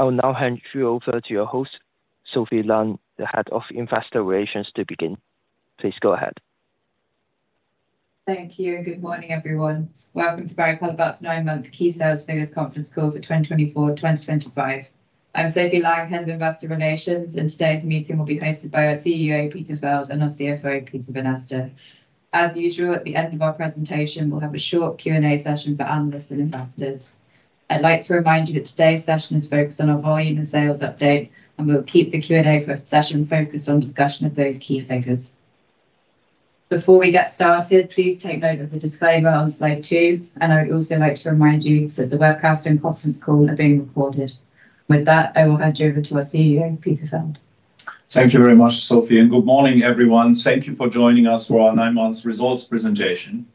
I'll now hand you over to your host, Sophie Lang, the Head of Investor Relations, to begin. Please go ahead. Thank you. Good morning, everyone. Welcome to Barry Callebaut's nine-month Key Sales Figures Conference Call for 2024/2025. I'm Sophie Lang, Head of Investor Relations, and today's meeting will be hosted by our CEO, Peter Feld, and our CFO, Peter Vanneste. As usual, at the end of our presentation, we'll have a short Q&A session for analysts and investors. I'd like to remind you that today's session is focused on our volume and sales update, and we'll keep the Q&A for a session focused on discussion of those key figures. Before we get started, please take note of the disclaimer on slide two, and I would also like to remind you that the webcast and conference call are being recorded. With that, I will hand you over to our CEO, Peter Feld. Thank you very much, Sophie, and good morning, everyone. Thank you for joining us for our nine-month results presentation.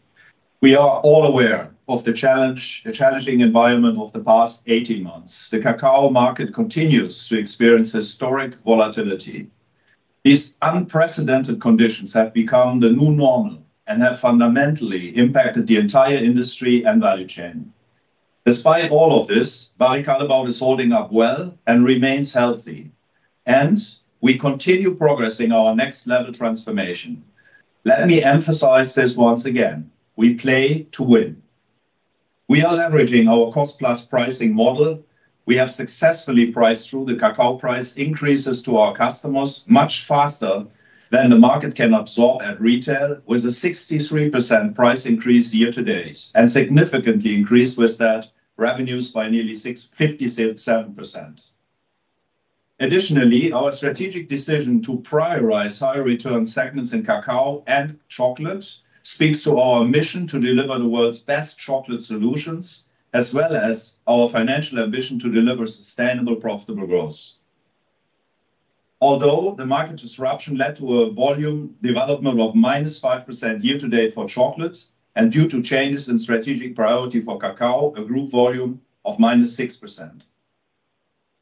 We are all aware of the challenging environment of the past 18 months. The cocoa market continues to experience historic volatility. These unprecedented conditions have become the new normal and have fundamentally impacted the entire industry and value chain. Despite all of this, Barry Callebaut is holding up well and remains healthy, and we continue progressing our Next Level transformation. Let me emphasize this once again: we play to win. We are leveraging our cost-plus pricing model. We have successfully priced through the cocoa price increases to our customers much faster than the market can absorb at retail, with a 63% price increase year-to-date and a significant increase, with that, revenues by nearly 57%. Additionally, our strategic decision to prioritize high-return segments in Cacao/Chocolate speaks to our mission to deliver the world's best chocolate solutions, as well as our financial ambition to deliver sustainable, profitable growth. Although the market disruption led to a volume development of minus 5% year-to-date for chocolate and due to changes in strategic priority for cacao, a group volume of -6%.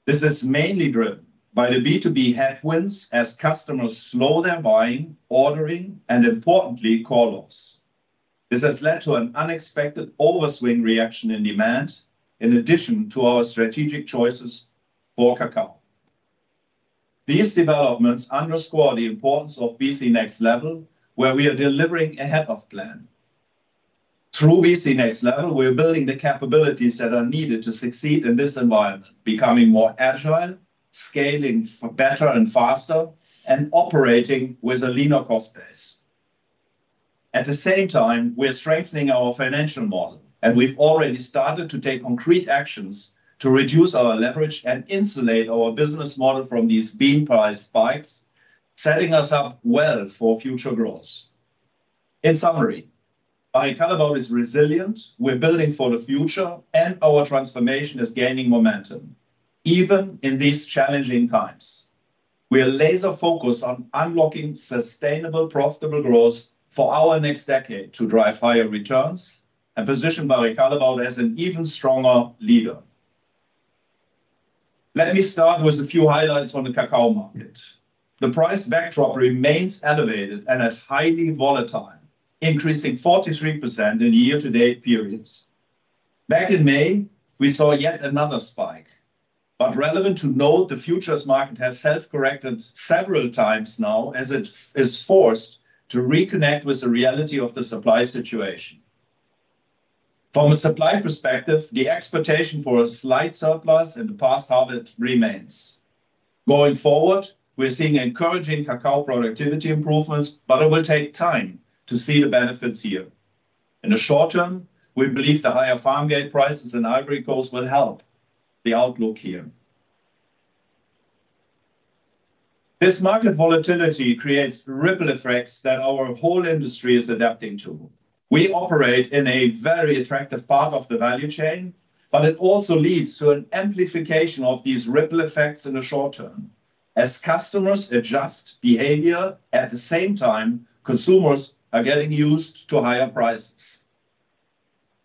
This is mainly driven by the B2B headwinds as customers slow their buying, ordering, and, importantly, call-offs. This has led to an unexpected overswing reaction in demand, in addition to our strategic choices for cacao. These developments underscore the importance of BC Next Level, where we are delivering ahead of plan. Through BC Next Level, we are building the capabilities that are needed to succeed in this environment, becoming more agile, scaling better and faster, and operating with a leaner cost base. At the same time, we are strengthening our financial model, and we've already started to take concrete actions to reduce our leverage and insulate our business model from these bean price spikes, setting us up well for future growth. In summary, Barry Callebaut is resilient, we're building for the future, and our transformation is gaining momentum even in these challenging times. We are laser-focused on unlocking sustainable, profitable growth for our next decade to drive higher returns and position Barry Callebaut as an even stronger leader. Let me start with a few highlights on the cacao market. The price backdrop remains elevated and highly volatile, increasing 43% in year-to-date periods. Back in May, we saw yet another spike. But relevant to note, the futures market has self-corrected several times now as it is forced to reconnect with the reality of the supply situation. From a supply perspective, the expectation for a slight surplus in the past half remains. Going forward, we're seeing encouraging cacao productivity improvements, but it will take time to see the benefits here. In the short term, we believe the higher farm gate prices and Ivory Coast will help the outlook here. This market volatility creates ripple effects that our whole industry is adapting to. We operate in a very attractive part of the value chain, but it also leads to an amplification of these ripple effects in the short term. As customers adjust behavior, at the same time, consumers are getting used to higher prices.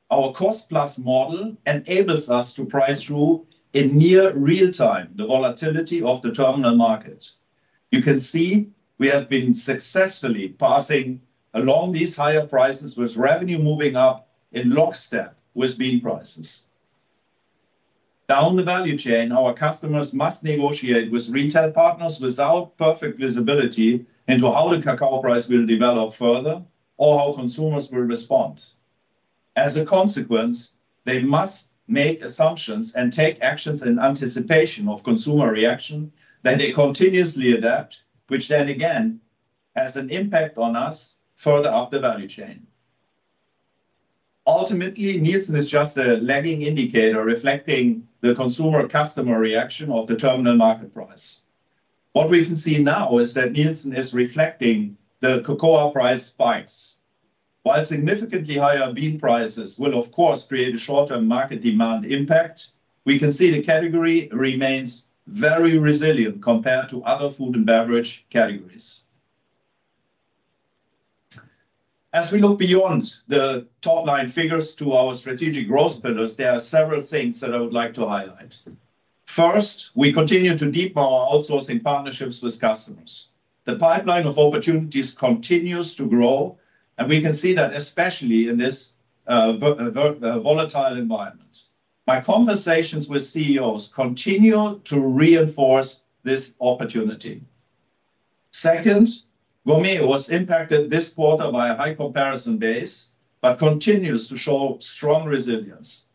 Our cost-plus model enables us to price through in near real-time the volatility of the terminal market. You can see we have been successfully passing along these higher prices with revenue moving up in lockstep with bean prices. Down the value chain, our customers must negotiate with retail partners without perfect visibility into how the cocoa price will develop further or how consumers will respond. As a consequence, they must make assumptions and take actions in anticipation of consumer reaction that they continuously adapt, which then again has an impact on us further up the value chain. Ultimately, Nielsen is just a lagging indicator reflecting the consumer-customer reaction of the terminal market price. What we can see now is that Nielsen is reflecting the cocoa price spikes. While significantly higher bean prices will, of course, create a short-term market demand impact, we can see the category remains very resilient compared to other food and beverage categories. As we look beyond the top-line figures to our strategic growth pillars, there are several things that I would like to highlight. First, we continue to deepen our outsourcing partnerships with customers. The pipeline of opportunities continues to grow, and we can see that especially in this volatile environment. My conversations with CEOs continue to reinforce this opportunity. Second, Gourmet was impacted this quarter by a high comparison base but continues to show strong resilience.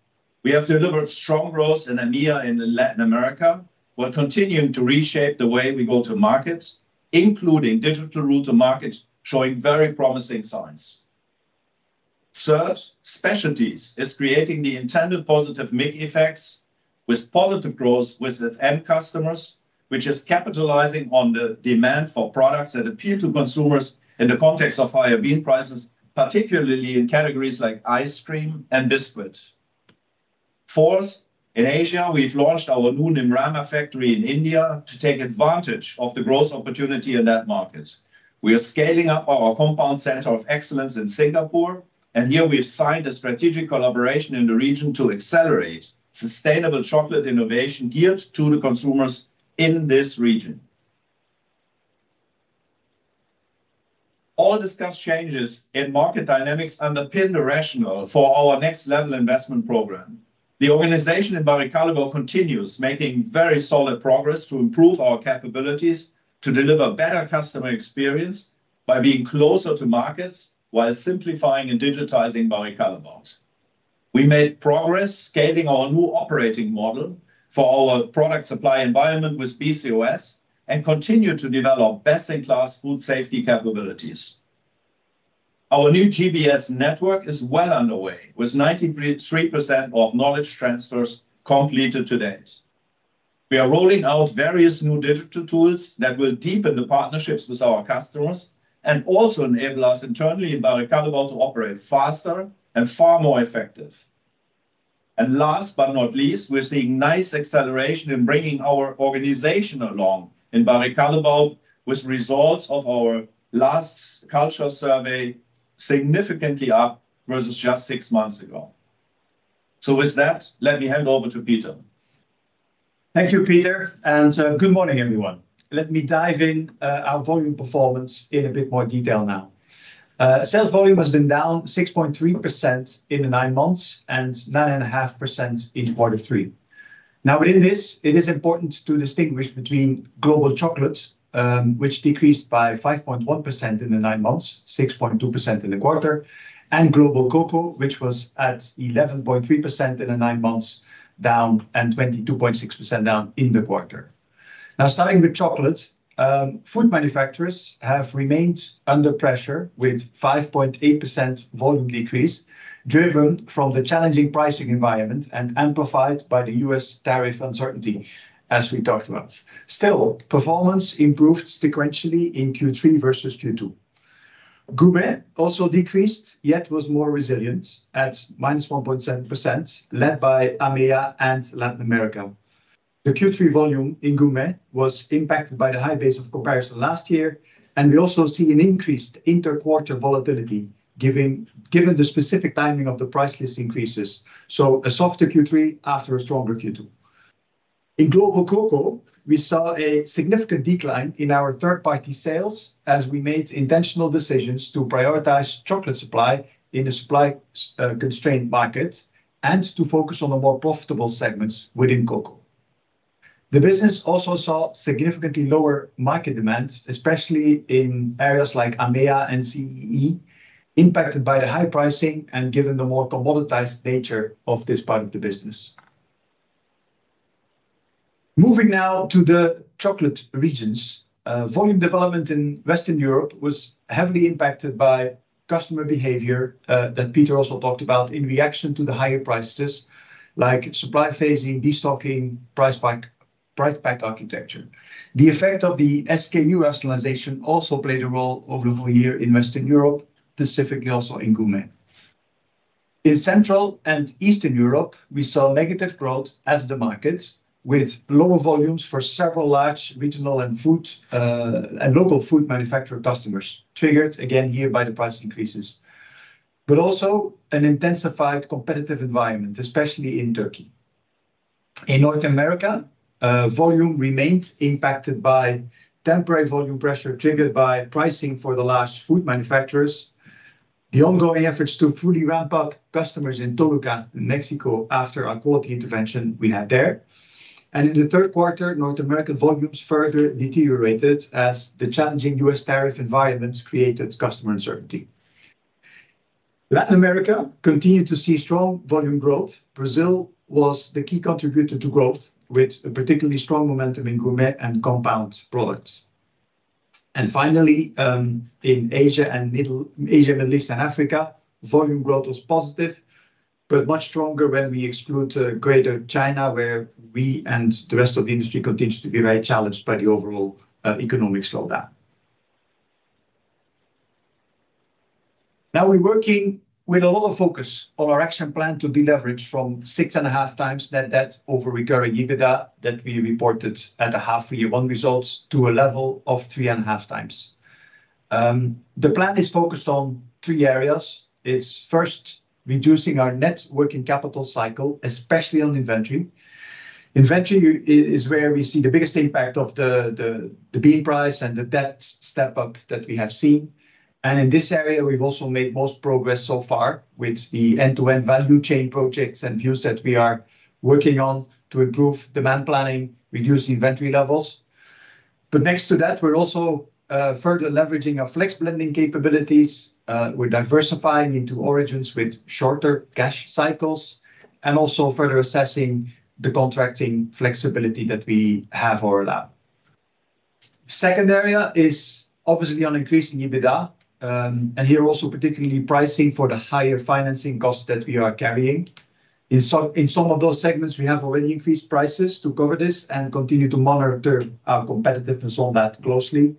We have delivered strong growth in EMEA and in Latin America, while continuing to reshape the way we go to market, including digital route to market, showing very promising signs. Third, Specialties is creating the intended positive MIG effects with positive growth with FM customers, which is capitalizing on the demand for products that appeal to consumers in the context of higher bean prices, particularly in categories like ice cream and biscuit. Fourth, in Asia, we've launched our new Neemrana factory in India to take advantage of the growth opportunity in that market. We are scaling up our compound Center of Excellence in Singapore, and here we've signed a strategic collaboration in the region to accelerate sustainable chocolate innovation geared to the consumers in this region. All discussed changes in market dynamics underpin the rationale for our Next Level investment program. The organization in Barry Callebaut continues making very solid progress to improve our capabilities to deliver better customer experience by being closer to markets while simplifying and digitizing Barry Callebaut. We made progress scaling our new operating model for our product supply environment with BCOS and continue to develop best-in-class food safety capabilities. Our new GBS network is well underway, with 93% of knowledge transfers completed to date. We are rolling out various new digital tools that will deepen the partnerships with our customers and also enable us internally in Barry Callebaut to operate faster and far more effective. And last but not least, we're seeing nice acceleration in bringing our organization along in Barry Callebaut with results of our last culture survey significantly up versus just six months ago. So with that, let me hand over to Peter. Thank you, Peter, and good morning, everyone. Let me dive into our volume performance in a bit more detail now. Sales volume has been down 6.3% in the nine months and 9.5% in quarter three. Now, within this, it is important to distinguish between global chocolate, which decreased by 5.1% in the nine months, 6.2% in the quarter, and global cocoa, which was down 11.3% in the nine months and 22.6% down in the quarter. Now, starting with chocolate, Food Manufacturers have remained under pressure with 5.8% volume decrease driven by the challenging pricing environment and amplified by the U.S. tariff uncertainty, as we talked about. Still, performance improved sequentially in Q3 versus Q2. Gourmet also decreased yet was more resilient at minus 1.7%, led by EMEA and Latin America. The Q3 volume in Gourmet was impacted by the high base of comparison last year, and we also see an increased interquarter volatility given the specific timing of the price list increases. So, a softer Q3 after a stronger Q2. In global cocoa, we saw a significant decline in our third-party sales as we made intentional decisions to prioritize chocolate supply in a supply constrained market and to focus on the more profitable segments within cocoa. The business also saw significantly lower market demand, especially in areas like EMEA and CEE, impacted by the high pricing and given the more commoditized nature of this part of the business. Moving now to the chocolate regions, volume development in Western Europe was heavily impacted by customer behavior that Peter also talked about in reaction to the higher prices, like supply phasing, destocking, price pack architecture. The effect of the SKU rationalization also played a role over the whole year in Western Europe, specifically also in Gourmet. In Central and Eastern Europe, we saw negative growth as the markets with lower volumes for several large regional and local food manufacturer customers triggered again here by the price increases, but also an intensified competitive environment, especially in Turkey. In North America, volume remains impacted by temporary volume pressure triggered by pricing for the large Food Manufacturers. The ongoing efforts to fully ramp up customers in Toluca, Mexico, after a quality intervention we had there, and in the third quarter, North American volumes further deteriorated as the challenging U.S. tariff environment created customer uncertainty. Latin America continued to see strong volume growth. Brazil was the key contributor to growth with a particularly strong momentum in Gourmet and compound products. Finally, in Asia and Middle East and Africa, volume growth was positive, but much stronger when we exclude Greater China, where we and the rest of the industry continue to be very challenged by the overall economic slowdown. Now, we're working with a lot of focus on our action plan to deleverage from six and a half times net debt over recurring EBITDA that we reported at a half-year-one results to a level of three and a half times. The plan is focused on three areas. It's first reducing our net working capital cycle, especially on inventory. Inventory is where we see the biggest impact of the bean price and the debt step-up that we have seen. And in this area, we've also made most progress so far with the end-to-end value chain projects and views that we are working on to improve demand planning, reduce inventory levels. But next to that, we're also further leveraging our flex blending capabilities. We're diversifying into origins with shorter cash cycles and also further assessing the contracting flexibility that we have or allow. Second area is obviously on increasing EBITDA, and here also particularly pricing for the higher financing costs that we are carrying. In some of those segments, we have already increased prices to cover this and continue to monitor our competitiveness on that closely.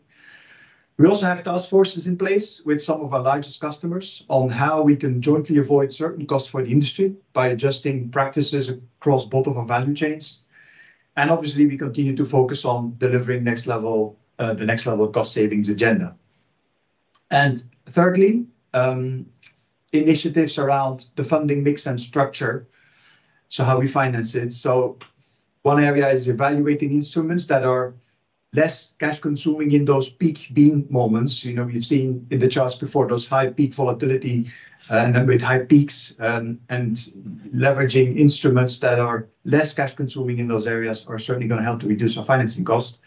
We also have task forces in place with some of our largest customers on how we can jointly avoid certain costs for the industry by adjusting practices across both of our value chains. And obviously, we continue to focus on delivering the next level cost savings agenda. And thirdly, initiatives around the funding mix and structure, so how we finance it. One area is evaluating instruments that are less cash-consuming in those peak bean moments. You know, we've seen in the charts before those high peak volatility and then with high peaks, and leveraging instruments that are less cash-consuming in those areas are certainly going to help to reduce our financing cost.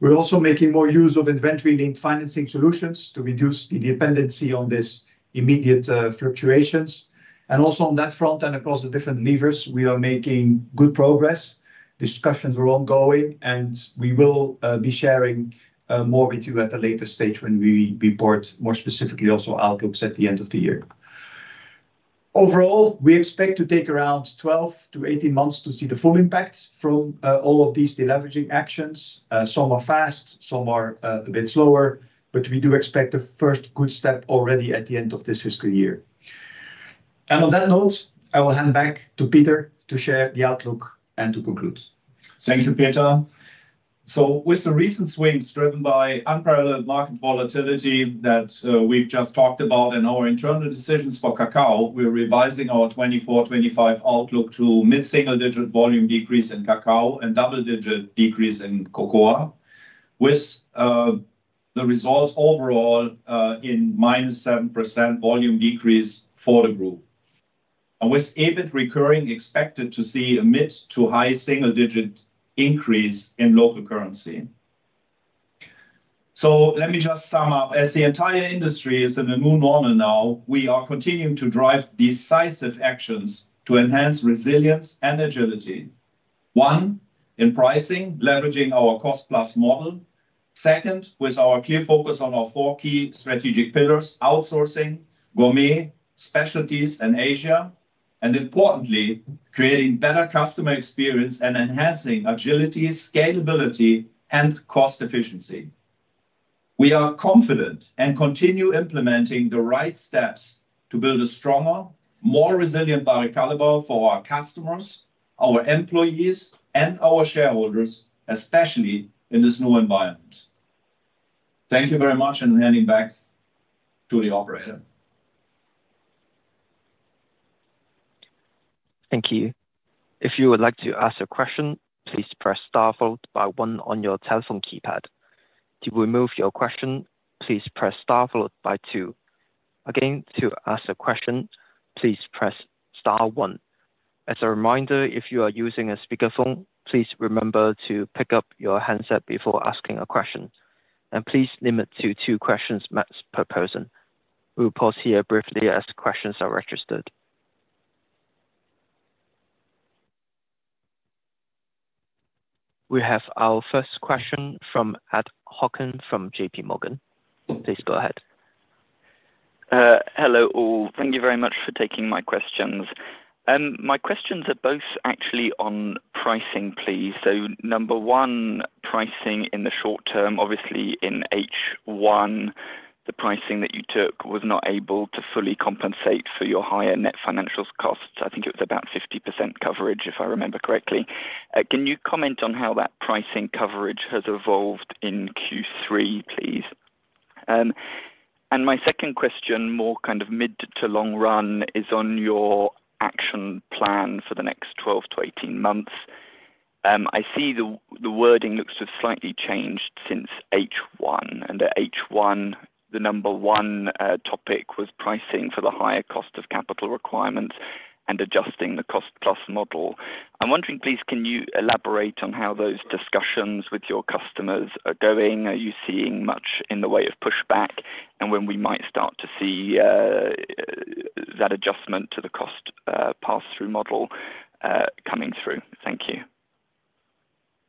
We're also making more use of inventory-linked financing solutions to reduce the dependency on these immediate fluctuations. And also on that front and across the different levers, we are making good progress. Discussions are ongoing, and we will be sharing more with you at a later stage when we report more specifically also outlooks at the end of the year. Overall, we expect to take around 12 months-18 months to see the full impact from all of these deleveraging actions. Some are fast, some are a bit slower, but we do expect the first good step already at the end of this fiscal year, and on that note, I will hand back to Peter to share the outlook and to conclude. Thank you, Peter. With the recent swings driven by unparalleled market volatility that we've just talked about and our internal decisions for cacao, we're revising our 2024/2025 outlook to mid-single-digit volume decrease in cacao and double-digit decrease in cocoa with the result overall in minus 7% volume decrease for the group. With EBIT recurring, expected to see a mid- to high-single-digit increase in local currency. Let me just sum up. As the entire industry is in a new normal now, we are continuing to drive decisive actions to enhance resilience and agility. One, in pricing, leveraging our cost-plus model. Second, with our clear focus on our four key strategic pillars: outsourcing, Gourmet, Specialties, and Asia. Importantly, creating better customer experience and enhancing agility, scalability, and cost efficiency. We are confident and continue implementing the right steps to build a stronger, more resilient Barry Callebaut for our customers, our employees, and our shareholders, especially in this new environment. Thank you very much, and handing back to the operator. Thank you. If you would like to ask a question, please press star followed by one on your telephone keypad. To remove your question, please press star followed by two. Again, to ask a question, please press star one. As a reminder, if you are using a speakerphone, please remember to pick up your handset before asking a question, and please limit to two questions max per person. We'll pause here briefly as the questions are registered. We have our first question from Ed Hockin from JPMorgan. Please go ahead. Hello all. Thank you very much for taking my questions. My questions are both actually on pricing, please. So number one, pricing in the short term. Obviously, in H1, the pricing that you took was not able to fully compensate for your higher net financial costs. I think it was about 50% coverage, if I remember correctly. Can you comment on how that pricing coverage has evolved in Q3, please? And my second question, more kind of mid to long run, is on your action plan for the next 12 months-18 months. I see the wording looks to have slightly changed since H1. And at H1, the number one topic was pricing for the higher cost of capital requirements and adjusting the cost-plus model. I'm wondering, please, can you elaborate on how those discussions with your customers are going? Are you seeing much in the way of pushback and when we might start to see that adjustment to the cost-plus model coming through? Thank you.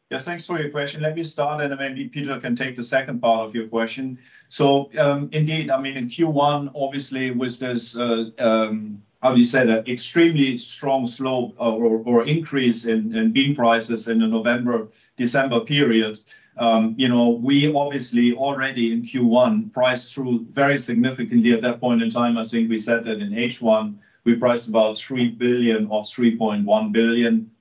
Yeah, thanks for your question. Let me start, and maybe Peter can take the second part of your question. So indeed, I mean, in Q1, obviously, with this, how do you say that, extremely strong slope or increase in bean prices in the November-December period, we obviously already in Q1 priced through very significantly at that point in time. I think we said that in H1, we priced about 3 billion or 3.1 billion,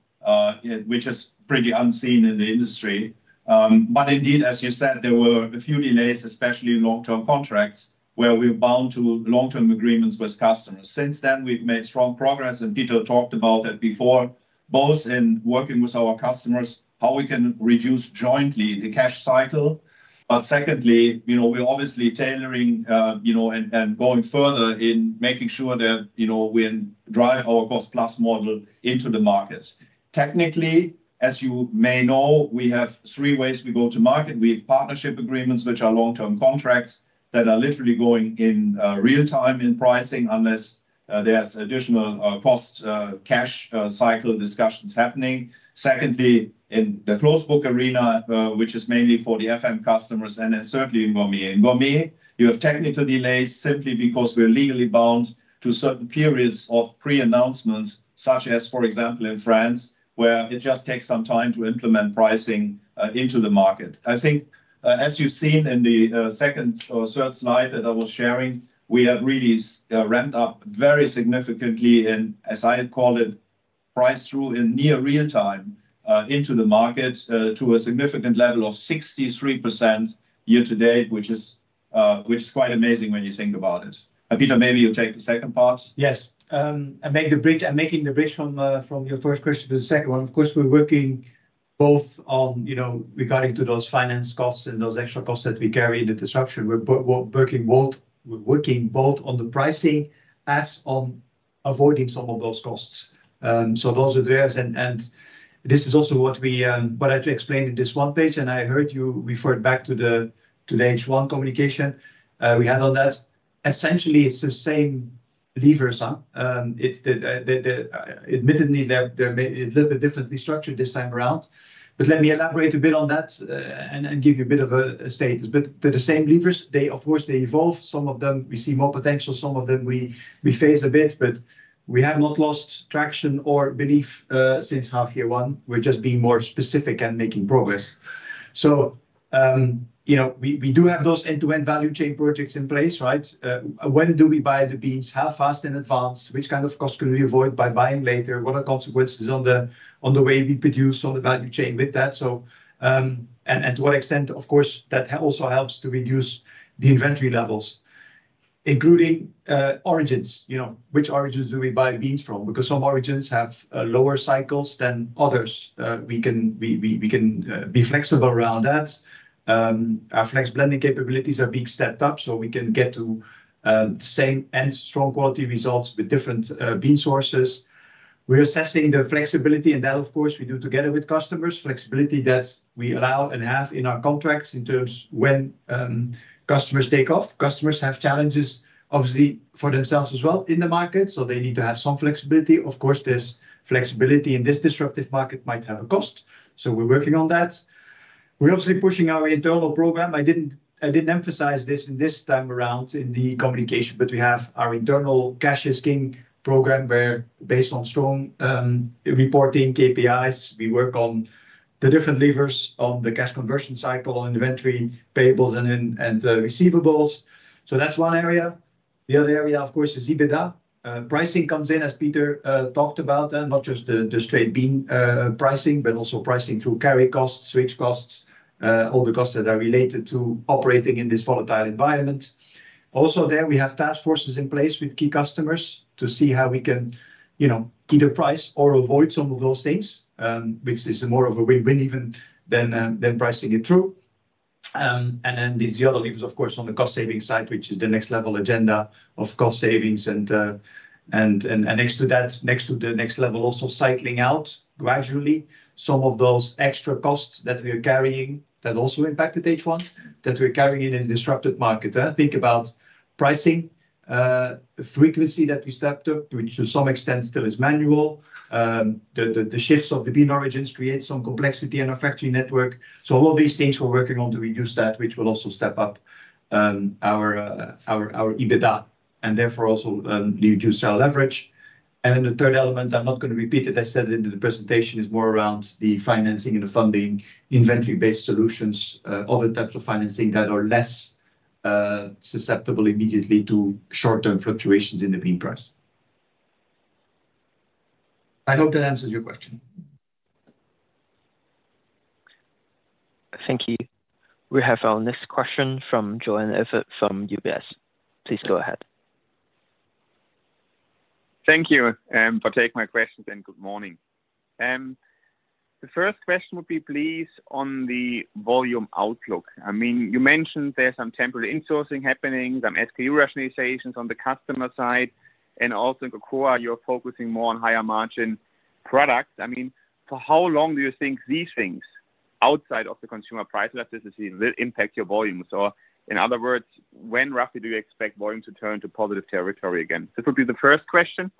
which is pretty unseen in the industry. But indeed, as you said, there were a few delays, especially in long-term contracts where we were bound to long-term agreements with customers. Since then, we've made strong progress, and Peter talked about that before, both in working with our customers, how we can reduce jointly the cash cycle. But secondly, we're obviously tailoring and going further in making sure that we drive our cost-plus model into the market. Technically, as you may know, we have three ways we go to market. We have partnership agreements, which are long-term contracts that are literally going in real time in pricing unless there's additional cost cash cycle discussions happening. Secondly, in the closed book arena, which is mainly for the FM customers, and then certainly in Gourmet. In Gourmet, you have technical delays simply because we're legally bound to certain periods of pre-announcements, such as, for example, in France, where it just takes some time to implement pricing into the market. I think, as you've seen in the second or third slide that I was sharing, we have really ramped up very significantly in, as I called it, price through in near real time into the market to a significant level of 63% year-to-date, which is quite amazing when you think about it. Peter, maybe you'll take the second part. Yes, I'm making the bridge from your first question to the second one. Of course, we're working both on regarding to those finance costs and those extra costs that we carry in the disruption. We're working both on the pricing as on avoiding some of those costs, so those are there, and this is also what we wanted to explain in this one page, and I heard you referred back to the H1 communication we had on that. Essentially, it's the same levers. Admittedly, they're a little bit differently structured this time around, but let me elaborate a bit on that and give you a bit of a status, but they're the same levers. Of course, they evolve. Some of them, we see more potential. Some of them, we phase a bit, but we have not lost traction or belief since half year one. We're just being more specific and making progress, so we do have those end-to-end value chain projects in place, right? When do we buy the beans? How fast in advance? What kind of cost can we avoid by buying later? What are consequences on the way we produce on the value chain with that? And to what extent, of course, that also helps to reduce the inventory levels, including origins. Which origins do we buy beans from? Because some origins have lower cycles than others. We can be flexible around that. Our flex blending capabilities are being stepped up so we can get to the same and strong quality results with different bean sources. We're assessing the flexibility, and that, of course, we do together with customers. Flexibility that we allow and have in our contracts in terms of when customers take off. Customers have challenges, obviously, for themselves as well in the market, so they need to have some flexibility. Of course, the flexibility in this disruptive market might have a cost. So we're working on that. We're obviously pushing our internal program. I didn't emphasize this time around in the communication, but we have our internal Cash Is King program where, based on strong reporting KPIs, we work on the different levers on the cash conversion cycle, on inventory payables, and receivables. So that's one area. The other area, of course, is EBITDA. Pricing comes in, as Peter talked about, not just the straight bean pricing, but also pricing through carry costs, switch costs, all the costs that are related to operating in this volatile environment. Also there, we have task forces in place with key customers to see how we can either price or avoid some of those things, which is more of a win-win even than pricing it through, and then there's the other levers, of course, on the cost saving side, which is the next level agenda of cost savings, and next to that, next to the next level, also cycling out gradually some of those extra costs that we are carrying that also impacted H1, that we're carrying in a disrupted market. Think about pricing frequency that we stepped up, which to some extent still is manual. The shifts of the bean origins create some complexity in our factory network, so all of these things we're working on to reduce that, which will also step up our EBITDA and therefore also reduce our leverage. And then the third element, I'm not going to repeat it, I said it in the presentation, is more around the financing and the funding, inventory-based solutions, other types of financing that are less susceptible immediately to short-term fluctuations in the bean price. I hope that answers your question. Thank you. We have our next question from Jörn Iffert from UBS. Please go ahead. Thank you and for taking my questions and good morning. The first question would be, please, on the volume outlook. I mean, you mentioned there's some temporary insourcing happening, some SKU rationalizations on the customer side, and also in Cocoa, you're focusing more on higher margin products. I mean, for how long do you think these things outside of the consumer price elasticity will impact your volumes? Or in other words, when roughly do you expect volumes to turn to positive territory again? This would be the first question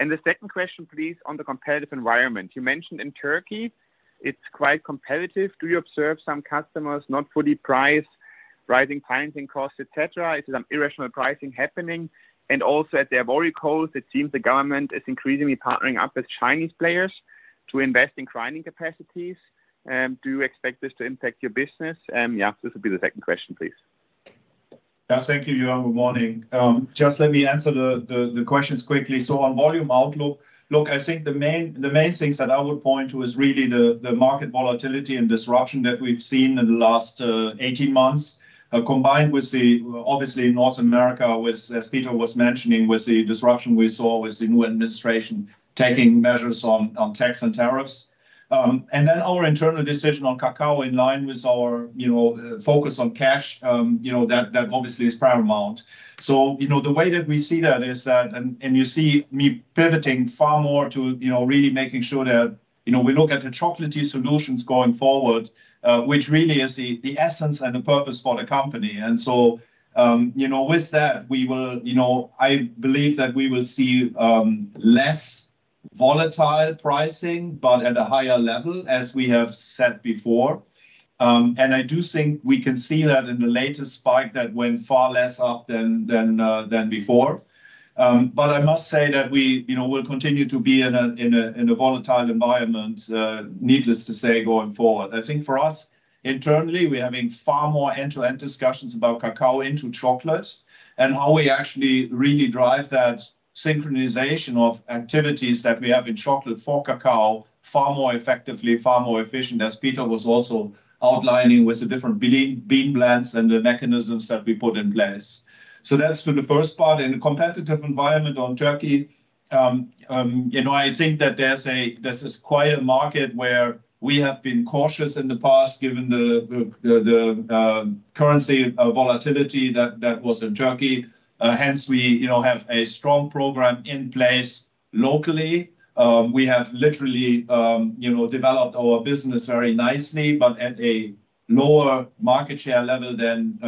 and the second question, please, on the competitive environment. You mentioned in Turkey, it's quite competitive. Do you observe some customers not fully priced, rising financing costs, etc.? Is there some irrational pricing happening and also in Ivory Coast, it seems the government is increasingly partnering up with Chinese players to invest in grinding capacities. Do you expect this to impact your business? And yeah, this would be the second question, please. Yeah, thank you, Jörn. Good morning. Just let me answer the questions quickly. So on volume outlook, look, I think the main things that I would point to is really the market volatility and disruption that we've seen in the last 18 months, combined with the, obviously, in North America, as Peter was mentioning, with the disruption we saw with the new administration taking measures on tax and tariffs. And then our internal decision on cocoa in line with our focus on cash, that obviously is paramount. So the way that we see that is that, and you see me pivoting far more to really making sure that we look at the chocolate solutions going forward, which really is the essence and the purpose for the company. And so with that, I believe that we will see less volatile pricing, but at a higher level, as we have said before. I do think we can see that in the latest spike that went far less up than before. But I must say that we will continue to be in a volatile environment, needless to say, going forward. I think for us, internally, we're having far more end-to-end discussions about cacao into chocolate and how we actually really drive that synchronization of activities that we have in chocolate for cacao far more effectively, far more efficient, as Peter was also outlining with the different bean blends and the mechanisms that we put in place. So that's to the first part. In a competitive environment in Turkey, I think that there's quite a market where we have been cautious in the past, given the currency volatility that was in Turkey. Hence, we have a strong program in place locally. We have literally developed our business very nicely, but at a lower market share level than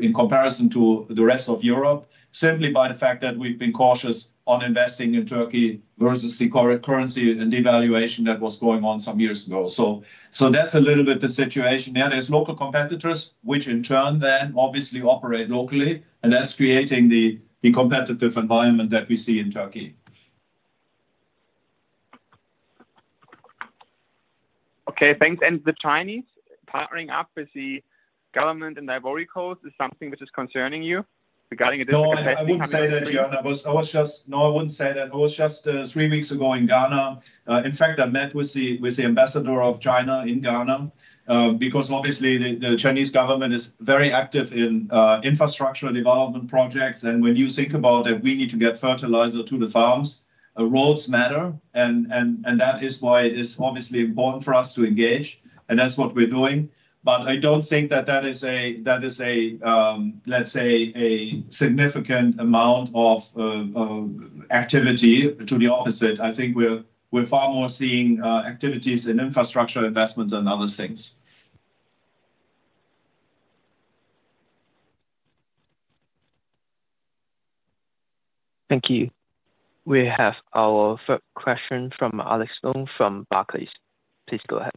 in comparison to the rest of Europe, simply by the fact that we've been cautious on investing in Turkey versus the currency and devaluation that was going on some years ago. So that's a little bit the situation. There's local competitors, which in turn then obviously operate locally, and that's creating the competitive environment that we see in Turkey. Okay, thanks. And the Chinese partnering up with the government and Ivory Coast is something which is concerning you regarding a disruptive effect? No, I wouldn't say that, Joanne. I was just—no, I wouldn't say that. I was just three weeks ago in Ghana. In fact, I met with the ambassador of China in Ghana because obviously the Chinese government is very active in infrastructure development projects. And when you think about that, we need to get fertilizer to the farms. Roads matter, and that is why it is obviously important for us to engage, and that's what we're doing. But I don't think that that is a, let's say, a significant amount of activity to the opposite. I think we're far more seeing activities in infrastructure investments and other things. Thank you. We have our third question from Alex Sloane from Barclays. Please go ahead.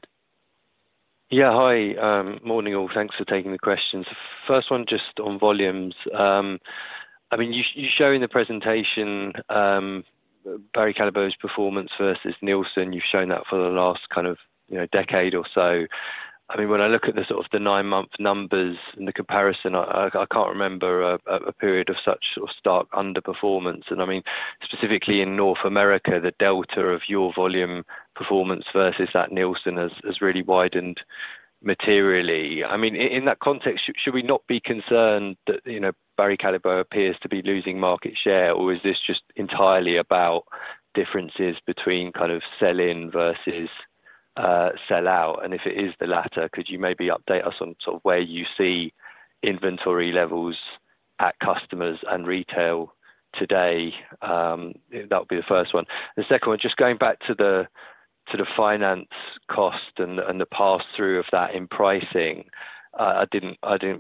Yeah, hi. Morning, all. Thanks for taking the questions. First one, just on volumes. I mean, you show in the presentation Barry Callebaut's performance versus Nielsen. You've shown that for the last kind of decade or so. I mean, when I look at the sort of nine-month numbers and the comparison, I can't remember a period of such stark underperformance. And I mean, specifically in North America, the delta of your volume performance versus that Nielsen has really widened materially. I mean, in that context, should we not be concerned that Barry Callebaut appears to be losing market share, or is this just entirely about differences between kind of sell in versus sell out? And if it is the latter, could you maybe update us on sort of where you see inventory levels at customers and retail today? That would be the first one. The second one, just going back to the finance cost and the pass-through of that in pricing, I didn't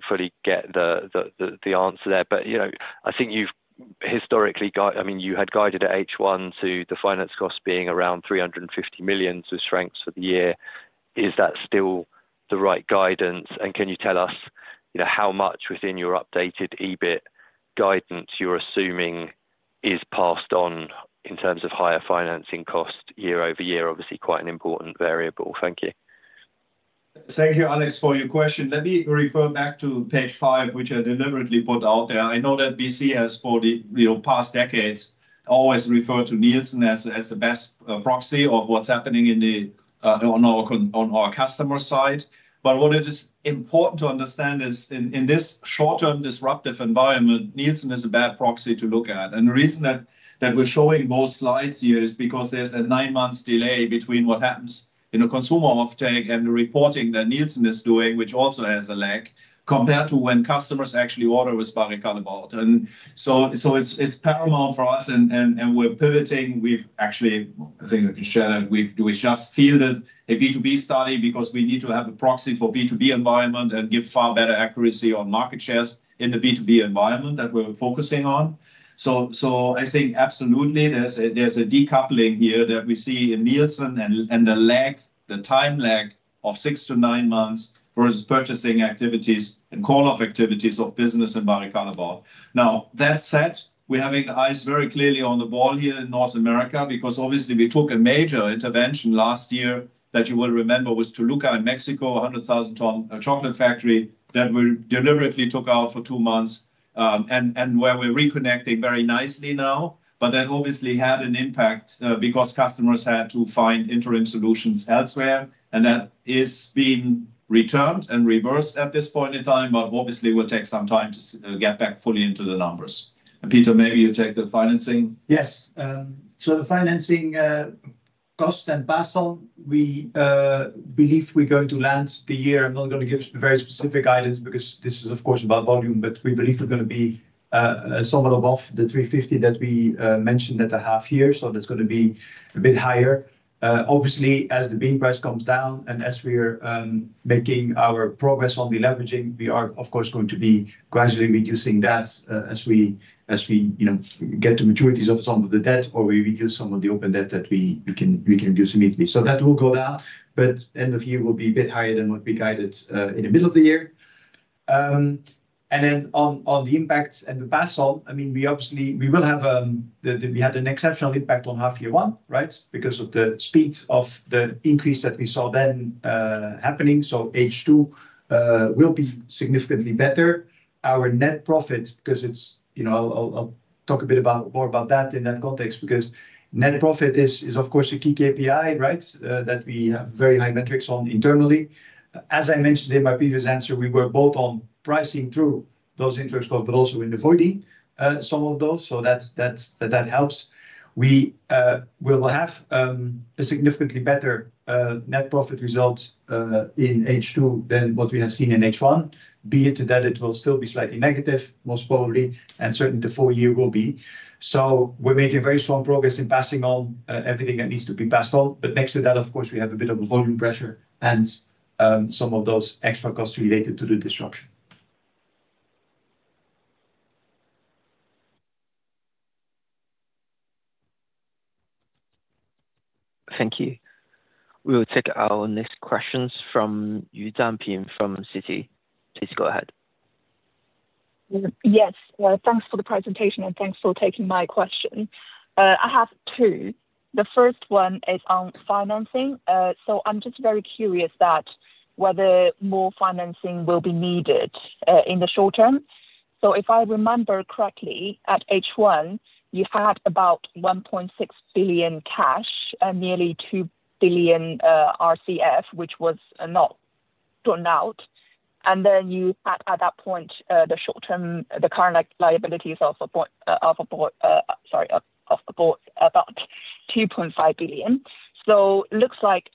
fully get the answer there. But I think you've historically—I mean, you had guided at H1 to the finance cost being around 350 million to shrink for the year. Is that still the right guidance? And can you tell us how much within your updated EBIT guidance you're assuming is passed on in terms of higher financing cost year-over-year? Obviously, quite an important variable. Thank you. Thank you, Alex, for your question. Let me refer back to page five, which I deliberately put out there. I know that BC has for the past decades always referred to Nielsen as the best proxy of what's happening on our customer side. But what it is important to understand is in this short-term disruptive environment, Nielsen is a bad proxy to look at. And the reason that we're showing both slides here is because there's a nine-month delay between what happens in the consumer offtake and the reporting that Nielsen is doing, which also has a lag, compared to when customers actually order with Barry Callebaut. And so it's paramount for us, and we're pivoting. We've actually, I think I can share that we just fielded a B2B study because we need to have a proxy for B2B environment and give far better accuracy on market shares in the B2B environment that we're focusing on. So I think absolutely there's a decoupling here that we see in Nielsen and the lag, the time lag of six months-nine months versus purchasing activities and call-off activities of business in Barry Callebaut. Now, that said, we're having the eyes very clearly on the ball here in North America because obviously we took a major intervention last year that you will remember was Toluca in Mexico, a 100,000-ton chocolate factory that we deliberately took out for two months and where we're reconnecting very nicely now, but that obviously had an impact because customers had to find interim solutions elsewhere. That is being returned and reversed at this point in time, but obviously will take some time to get back fully into the numbers. Peter, maybe you take the financing. Yes. So the financing cost and Basel, we believe we're going to end the year. I'm not going to give very specific guidance because this is, of course, about volume, but we believe we're going to be somewhat above the 350 million that we mentioned at the half year. So that's going to be a bit higher. Obviously, as the bean price comes down and as we're making our progress on the leverage, we are, of course, going to be gradually reducing that as we get to maturities of some of the debt or we reduce some of the open debt that we can reduce immediately. So that will go down, but end of year will be a bit higher than what we guided in the middle of the year. And then on the impacts and the Basel, I mean, we obviously will have. We had an exceptional impact on half year one, right, because of the speed of the increase that we saw then happening. So H2 will be significantly better. Our net profit, because it's. I'll talk a bit more about that in that context because net profit is, of course, a key KPI, right, that we have very high metrics on internally. As I mentioned in my previous answer, we were both on pricing through those interest costs, but also in avoiding some of those. So that helps. We will have a significantly better net profit result in H2 than what we have seen in H1, be it that it will still be slightly negative, most probably, and certainly the full year will be. So we're making very strong progress in passing on everything that needs to be passed on. But next to that, of course, we have a bit of a volume pressure and some of those extra costs related to the disruption. Thank you. We will take our next questions from Yu Danping from Citi. Please go ahead. Yes. Thanks for the presentation and thanks for taking my question. I have two. The first one is on financing. So I'm just very curious that whether more financing will be needed in the short term. So if I remember correctly, at H1, you had about 1.6 billion cash and nearly 2 billion RCF, which was not drawn out. And then you had at that point the short-term, the current liabilities of about 2.5 billion. So it looks like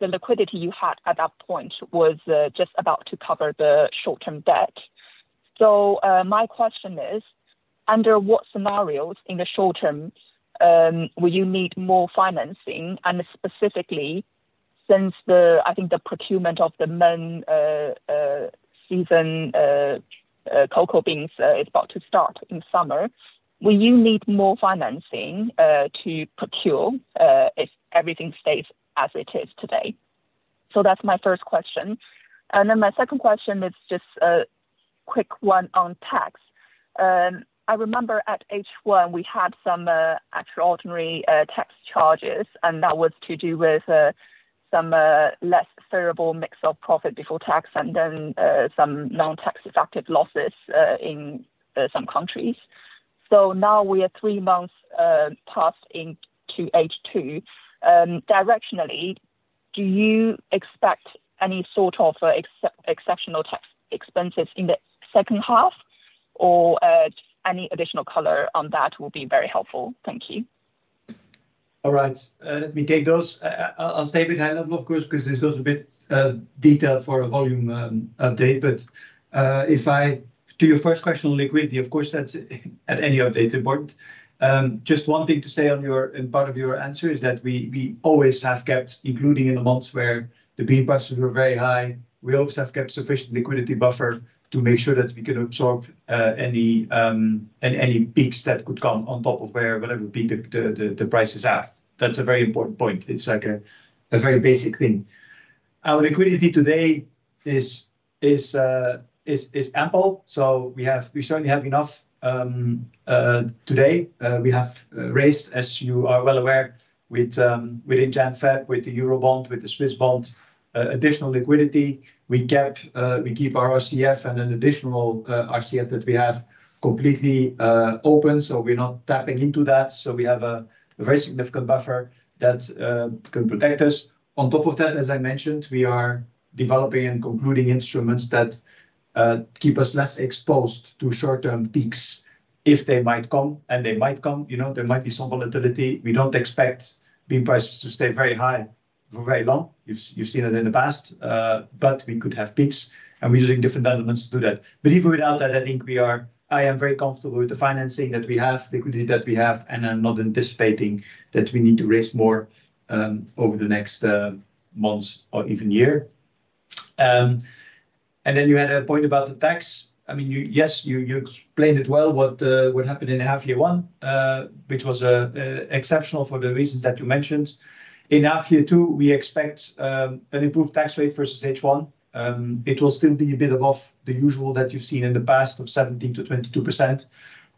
the liquidity you had at that point was just about to cover the short-term debt. So my question is, under what scenarios in the short term will you need more financing? And specifically, since I think the procurement of the main season cocoa beans is about to start in summer, will you need more financing to procure if everything stays as it is today? So that's my first question. And then my second question is just a quick one on tax. I remember at H1, we had some extraordinary tax charges, and that was to do with some less favorable mix of profit before tax and then some non-tax effective losses in some countries. So now we are three months past into H2. Directionally, do you expect any sort of exceptional tax expenses in the second half, or any additional color on that will be very helpful? Thank you. All right. Let me take those. I'll stay high level, of course, because this goes a bit detailed for a volume update, but to your first question on liquidity, of course, that's, at any update, important. Just one thing to say on your part of your answer is that we always have kept, including in the months where the bean prices were very high, we always have kept sufficient liquidity buffer to make sure that we can absorb any peaks that could come on top of whatever the price is at. That's a very important point. It's like a very basic thing. Our liquidity today is ample, so we certainly have enough today. We have raised, as you are well aware, within the RCF, with the Eurobond, with the Swiss Bond, additional liquidity. We keep our RCF and an additional RCF that we have completely open, so we're not tapping into that. So we have a very significant buffer that can protect us. On top of that, as I mentioned, we are developing and concluding instruments that keep us less exposed to short-term peaks if they might come, and they might come. There might be some volatility. We don't expect bean prices to stay very high for very long. You've seen it in the past, but we could have peaks, and we're using different elements to do that. But even without that, I think we are—I am very comfortable with the financing that we have, liquidity that we have, and I'm not anticipating that we need to raise more over the next months or even year. And then you had a point about the tax. I mean, yes, you explained it well, what happened in half year one, which was exceptional for the reasons that you mentioned. In half year two, we expect an improved tax rate versus H1. It will still be a bit above the usual that you've seen in the past of 17%-22%,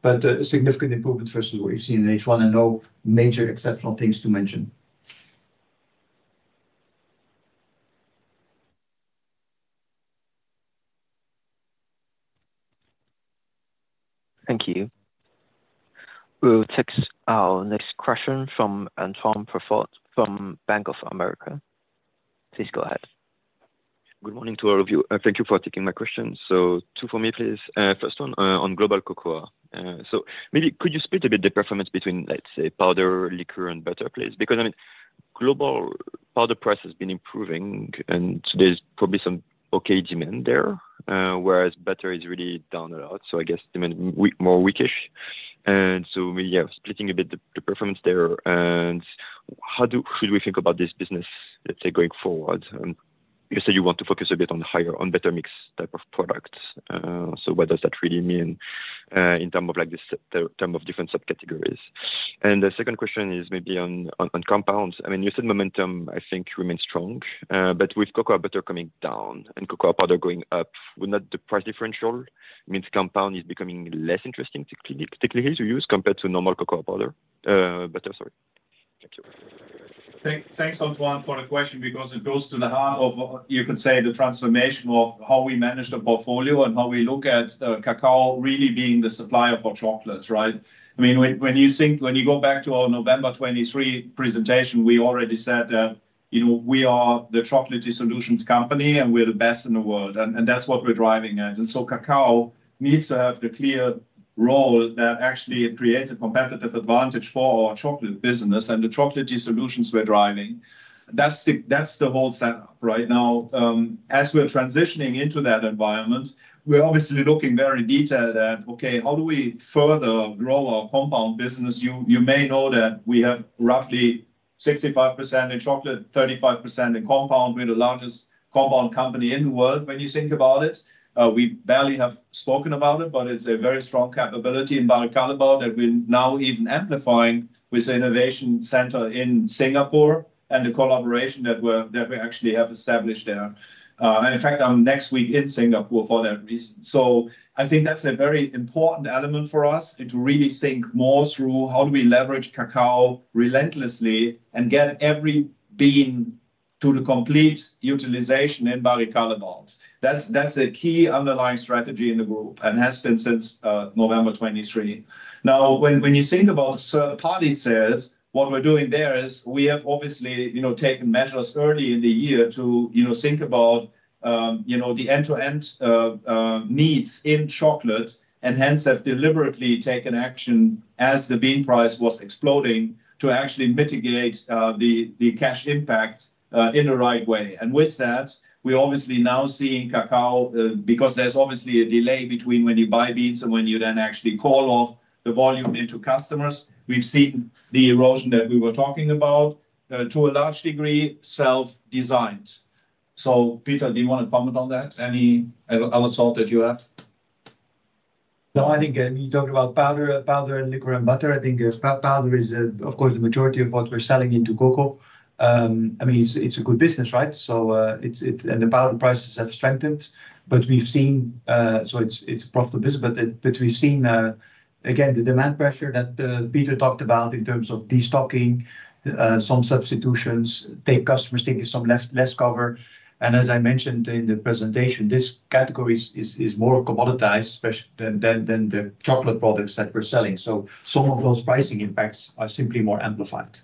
but a significant improvement versus what you've seen in H1 and no major exceptional things to mention. Thank you. We will take our next question from Antoine Prévort from Bank of America. Please go ahead. Good morning to all of you. Thank you for taking my question. So two for me, please. First one on global cocoa. So maybe could you split a bit the performance between, let's say, powder, liquor, and butter, please? Because I mean, global powder price has been improving, and there's probably some okay demand there, whereas butter is really down a lot. So I guess demand is more weakish. And so we are splitting a bit the performance there. And how should we think about this business, let's say, going forward? You said you want to focus a bit on better mix type of products. So what does that really mean in terms of different subcategories? And the second question is maybe on compounds. I mean, you said momentum, I think, remains strong, but with cocoa butter coming down and cocoa powder going up, wouldn't that, the price differential means compound is becoming less interesting technically to use compared to normal cocoa powder butter, sorry. Thank you. Thanks, Antoine, for the question because it goes to the heart of, you could say, the transformation of how we manage the portfolio and how we look at cocoa really being the supplier for chocolate, right? I mean, when you go back to our November 2023 presentation, we already said that we are the chocolate solutions company and we're the best in the world. And that's what we're driving. And so cocoa needs to have the clear role that actually creates a competitive advantage for our chocolate business and the chocolate solutions we're driving. That's the whole setup right now. As we're transitioning into that environment, we're obviously looking very detailed at, okay, how do we further grow our compound business? You may know that we have roughly 65% in chocolate, 35% in compound. We're the largest compound company in the world when you think about it. We barely have spoken about it, but it's a very strong capability in Barry Callebaut that we're now even amplifying with the innovation center in Singapore and the collaboration that we actually have established there, and in fact, I'm next week in Singapore for that reason, so I think that's a very important element for us to really think more through how do we leverage cacao relentlessly and get every bean to the complete utilization in Barry Callebaut. That's a key underlying strategy in the group and has been since November 2023. Now, when you think about third-party sales, what we're doing there is we have obviously taken measures early in the year to think about the end-to-end needs in chocolate and hence have deliberately taken action as the bean price was exploding to actually mitigate the cash impact in the right way. With that, we're obviously now seeing cocoa because there's obviously a delay between when you buy beans and when you then actually call off the volume into customers. We've seen the erosion that we were talking about to a large degree self-inflicted. So Peter, do you want to comment on that? Any other thought that you have? No, I think you talked about powder and liquor and butter. I think powder is, of course, the majority of what we're selling into cocoa. I mean, it's a good business, right, and the powder prices have strengthened, but we've seen, so it's a profitable business, but we've seen, again, the demand pressure that Peter talked about in terms of destocking, some substitutions, customers taking some less cover, and as I mentioned in the presentation, this category is more commoditized than the chocolate products that we're selling, so some of those pricing impacts are simply more amplified.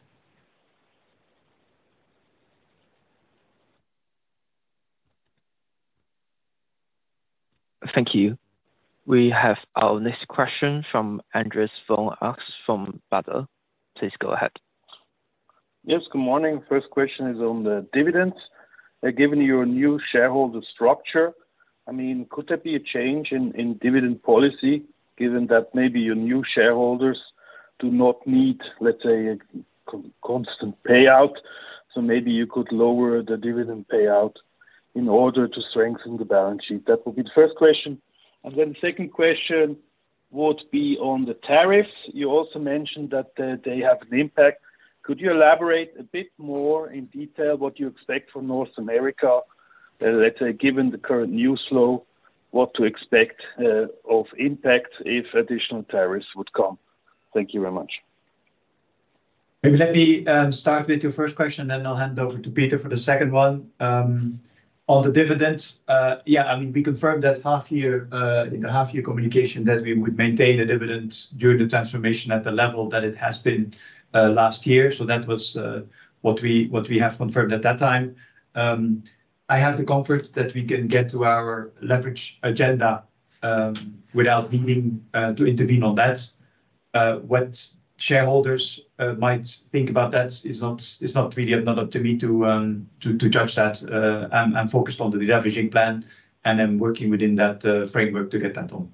Thank you. We have our next question from Andreas von Arx from Baader. Please go ahead. Yes, good morning. First question is on the dividends. Given your new shareholder structure, I mean, could there be a change in dividend policy given that maybe your new shareholders do not need, let's say, a constant payout? So maybe you could lower the dividend payout in order to strengthen the balance sheet. That would be the first question. And then the second question would be on the tariffs. You also mentioned that they have an impact. Could you elaborate a bit more in detail what you expect for North America, let's say, given the current news flow, what to expect of impact if additional tariffs would come? Thank you very much. Maybe let me start with your first question, then I'll hand over to Peter for the second one. On the dividends, yeah, I mean, we confirmed that in the half-year communication that we would maintain the dividends during the transformation at the level that it has been last year. So that was what we have confirmed at that time. I have the comfort that we can get to our leverage agenda without needing to intervene on that. What shareholders might think about that is not really up to me to judge that. I'm focused on the leveraging plan, and I'm working within that framework to get that on.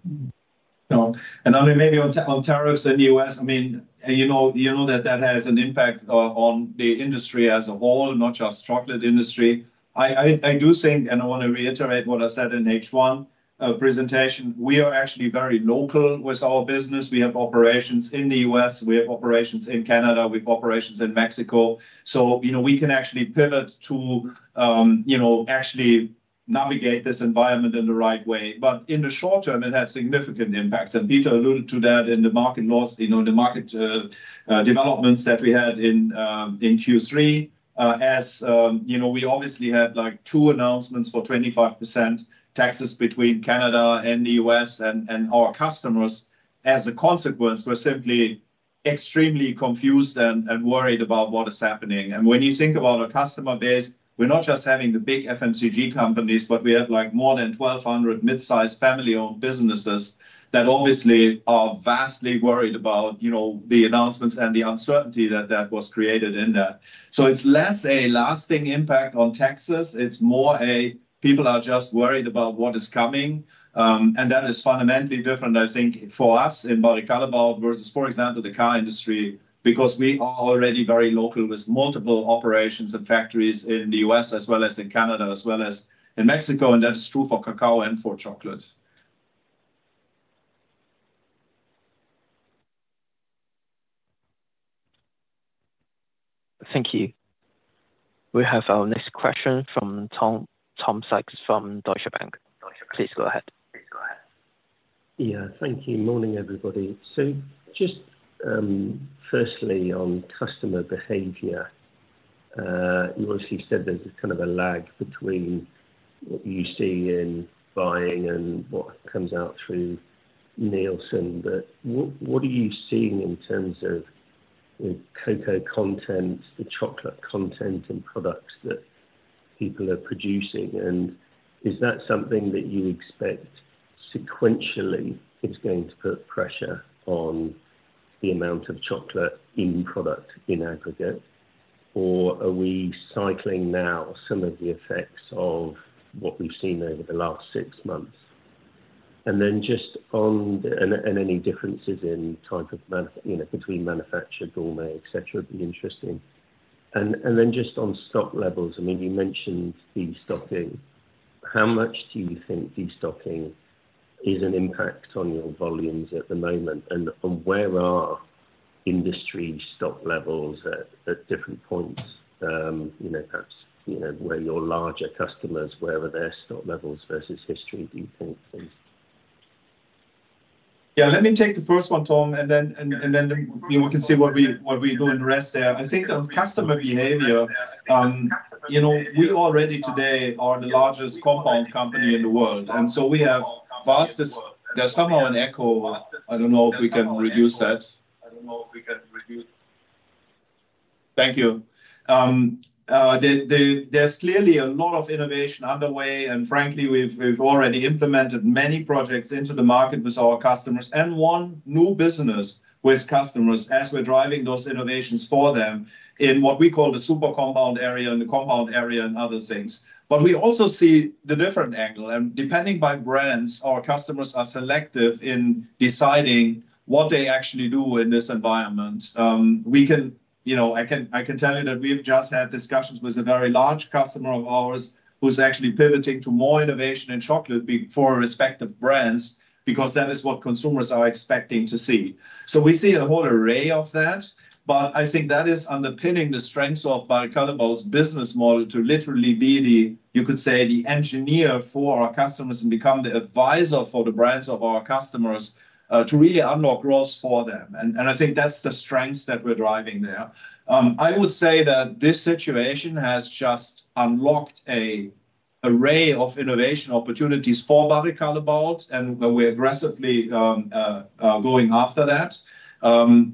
And maybe on tariffs in the U.S., I mean, you know that that has an impact on the industry as a whole, not just chocolate industry. I do think, and I want to reiterate what I said in H1 presentation, we are actually very local with our business. We have operations in the U.S. We have operations in Canada. We have operations in Mexico. So we can actually pivot to actually navigate this environment in the right way. But in the short term, it has significant impacts. And Peter alluded to that in the market loss, the market developments that we had in Q3, as we obviously had two announcements for 25% taxes between Canada and the U.S. and our customers. As a consequence, we're simply extremely confused and worried about what is happening. And when you think about our customer base, we're not just having the big FMCG companies, but we have more than 1,200 mid-sized family-owned businesses that obviously are vastly worried about the announcements and the uncertainty that that was created in that. So it's less a lasting impact on tariffs. It's more a people are just worried about what is coming. And that is fundamentally different, I think, for us in Barry Callebaut versus, for example, the car industry because we are already very local with multiple operations and factories in the U.S. as well as in Canada as well as in Mexico. And that is true for cocoa and for chocolate. Thank you. We have our next question from Tom Sykes from Deutsche Bank. Please go ahead. Yeah, thank you. Morning, everybody. So just firstly on customer behavior, you obviously said there's this kind of a lag between what you see in buying and what comes out through Nielsen. But what are you seeing in terms of the cocoa content, the chocolate content and products that people are producing? And is that something that you expect sequentially is going to put pressure on the amount of chocolate in products in aggregate? Or are we cycling now some of the effects of what we've seen over the last six months? And then just on any differences in types between manufactured, gourmet, etc., would be interesting. And then just on stock levels, I mean, you mentioned destocking. How much do you think destocking is an impact on your volumes at the moment? Where are industry stock levels at different points, perhaps where your larger customers, where are their stock levels versus history, do you think? Yeah, let me take the first one, Tom, and then we can see what we do in the rest there. I think the customer behavior, we already today are the largest compound company in the world. And so we have vastest. There's somehow an echo. I don't know if we can reduce that. Thank you. There's clearly a lot of innovation underway, and frankly, we've already implemented many projects into the market with our customers and one new business with customers as we're driving those innovations for them in what we call the super compound area and the compound area and other things. But we also see the different angle. And depending by brands, our customers are selective in deciding what they actually do in this environment. I can tell you that we've just had discussions with a very large customer of ours who's actually pivoting to more innovation in chocolate for respective brands because that is what consumers are expecting to see, so we see a whole array of that, but I think that is underpinning the strengths of Barry Callebaut's business model to literally be the, you could say, the engineer for our customers and become the advisor for the brands of our customers to really unlock growth for them, and I think that's the strength that we're driving there. I would say that this situation has just unlocked an array of innovation opportunities for Barry Callebaut, and we're aggressively going after that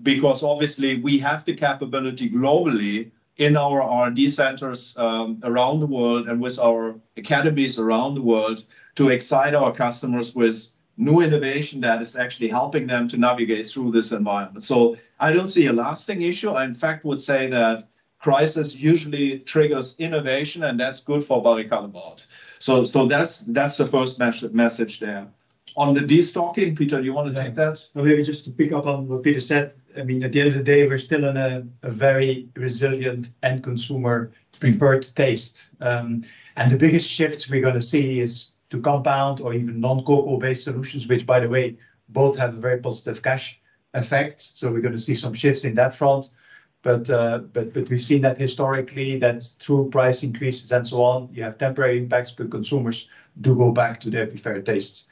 because obviously we have the capability globally in our R&D centers around the world and with our academies around the world to excite our customers with new innovation that is actually helping them to navigate through this environment. So I don't see a lasting issue. I in fact would say that crisis usually triggers innovation, and that's good for Barry Callebaut. So that's the first message there. On the destocking, Peter, do you want to take that? Maybe just to pick up on what Peter said, I mean, at the end of the day, we're still in a very resilient end consumer preferred taste. The biggest shift we're going to see is to compound or even non-cocoa-based solutions, which, by the way, both have a very positive cash effect. We're going to see some shifts in that front. We've seen that historically, that through price increases and so on, you have temporary impacts, but consumers do go back to their preferred tastes.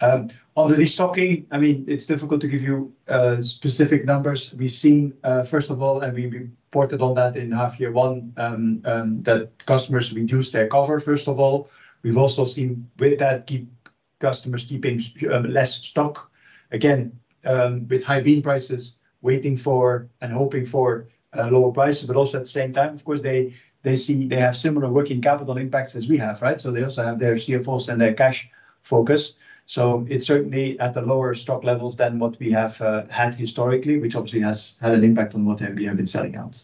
On the destocking, I mean, it's difficult to give you specific numbers. We've seen, first of all, and we reported on that in half-year one, that customers reduce their cover, first of all. We've also seen with that customers keeping less stock. Again, with high bean prices, waiting for and hoping for lower prices, but also at the same time, of course, they have similar working capital impacts as we have, right? They also have their CFOs and their cash focus. So it's certainly at the lower stock levels than what we have had historically, which obviously has had an impact on what we have been selling out.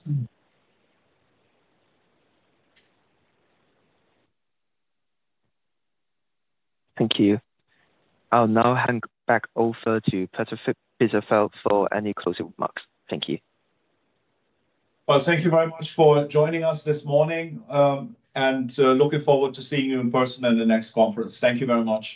Thank you. I'll now hand back over to Peter Feld for any closing remarks. Thank you. Thank you very much for joining us this morning and looking forward to seeing you in person at the next conference. Thank you very much.